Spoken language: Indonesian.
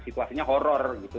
situasinya horror gitu